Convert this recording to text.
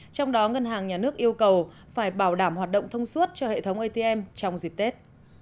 trong đó ngân hàng nhà nước yêu cầu phải bảo đảm hoạt động thông suốt cho hệ thống atm trong dịp tết